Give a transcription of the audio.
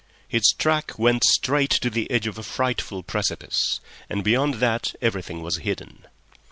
His track went straight to the edge of a frightful precipice, and beyond that everything was hidden.